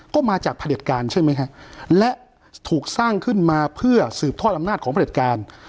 ก็มาจากผลิตการใช่ไหมฮะและถูกสร้างขึ้นมาเพื่อสืบทอดอำนาจของพระเด็จการ